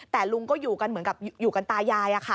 แต่ลุงก็อยู่กันเหมือนกับอยู่กันตายาย